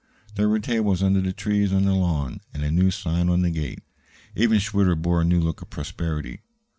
There were tables under the trees on the lawn, and a new sign on the gate. Even Schwitter bore a new look of prosperity.